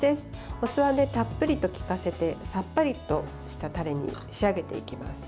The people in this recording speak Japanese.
お酢は、たっぷりときかせてさっぱりとしたタレに仕上げていきます。